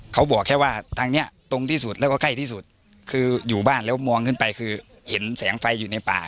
เขาบอกแค่ว่าทางเนี้ยตรงที่สุดแล้วก็ใกล้ที่สุดคืออยู่บ้านแล้วมองขึ้นไปคือเห็นแสงไฟอยู่ในป่า